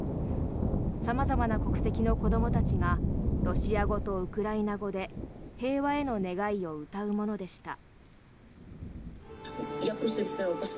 様々な国籍の子どもたちがロシア語とウクライナ語で平和への願いを歌うものでした。